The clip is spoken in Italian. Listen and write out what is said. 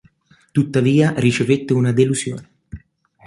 Tuttavia ricevette una delusione.